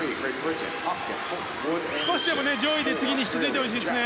少しでも上位で次に引き継いでほしいですね。